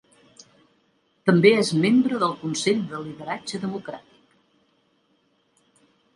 També és membre del Consell de Lideratge Democràtic.